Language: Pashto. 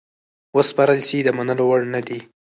وسپارل سي د منلو وړ نه دي.